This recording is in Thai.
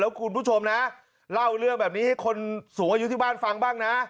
คุณผู้ชมนะเล่าเรื่องแบบนี้ให้คนสูงอายุที่บ้านฟังบ้างนะ